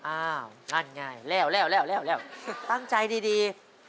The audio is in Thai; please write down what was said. อ้าวนั่ง่ายแล้วตั้งใจดี